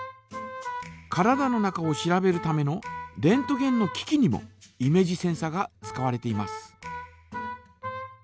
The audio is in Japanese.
体の中を調べるためのレントゲンの機器にもイメージセンサが使われています。